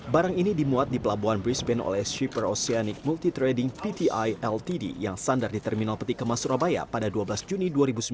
barang ini dimuat di pelabuhan brisbane oleh shipper oceanic multitrading pti ltd yang sandar di terminal peti kemas surabaya pada dua belas juni